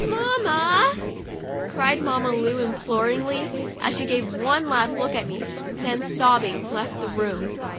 "Mamma!' cried Mamma Lu, imploringly, as she gave one last look at me, then, sobbing, left the room.